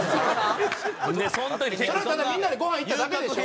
それはただみんなでごはん行っただけでしょ？